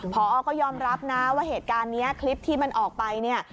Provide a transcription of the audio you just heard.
พอก็ยอมรับนะว่าเหตุการณ์นี้คลิปที่มันออกไปเนี่ย